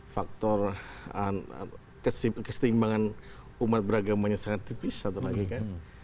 faktor keseimbangan umat beragamanya sangat tipis satu lagi kan